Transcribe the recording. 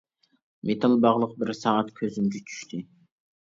مېتال باغلىق بىر سائەت كۆزۈمگە چۈشتى.